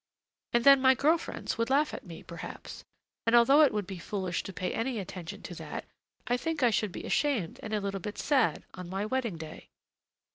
And then my girl friends would laugh at me, perhaps, and although it would be foolish to pay any attention to that, I think I should be ashamed and a little bit sad on my wedding day."